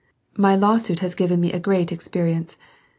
" My lawsuit has given me a great experience.